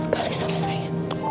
sungguh baik sekali sama saya